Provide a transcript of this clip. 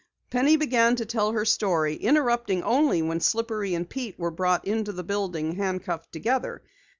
Penny began to tell her story, interrupting only when Slippery and Pete were brought into the building handcuffed together.